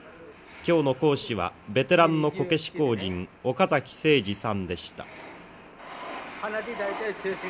今日の講師はベテランのこけし工人岡崎斉司さんでした。